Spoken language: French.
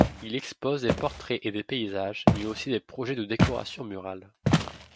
Il expose des portraits et des paysages, mais aussi des projets de décoration murale.